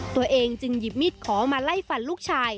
ตัวเองจึงหยิบมีดขอมาไล่ฟันลูกชาย